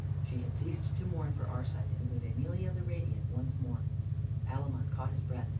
She had ceased to mourn for Arcite, and was Emelia the Radiant once more. Palamon caught his breath.